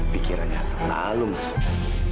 pikirannya selalu mesut